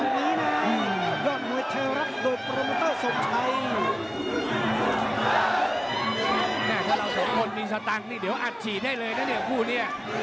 แม่ถ้าเราสองคนมีสตังค์นี่เดี๋ยวอัดฉีดได้เลยนะเนี่ยคู่นี้